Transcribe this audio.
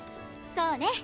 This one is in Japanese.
そうね。